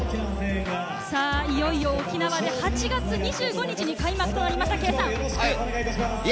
いよいよ沖縄で８月２５日に開幕となりました、圭さん。